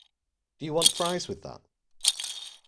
Do you want fries with that?